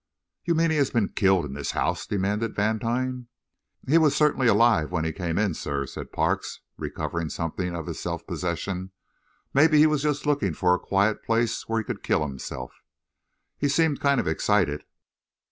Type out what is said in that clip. "You mean he has been killed in this house?" demanded Vantine. "He was certainly alive when he came in, sir," said Parks, recovering something of his self possession. "Maybe he was just looking for a quiet place where he could kill himself. He seemed kind of excited."